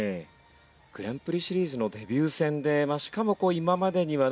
グランプリシリーズのデビュー戦でしかも今までにはない